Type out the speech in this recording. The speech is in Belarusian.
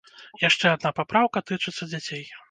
Яшчэ адна папраўка тычыцца дзяцей.